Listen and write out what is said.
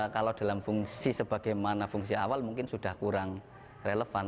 kalau dalam fungsi sebagaimana fungsi awal mungkin sudah kurang relevan